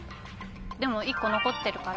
でも１個残ってるから。